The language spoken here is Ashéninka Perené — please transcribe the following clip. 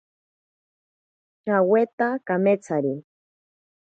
Shaweta kametsari.